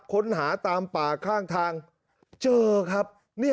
ค้นหาตามป่าข้างทางเจอครับ